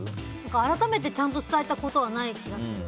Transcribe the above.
改めて、ちゃんと伝えたことはない気がする。